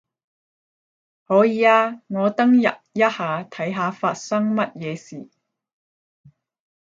可以啊，我登入一下睇下發生乜嘢事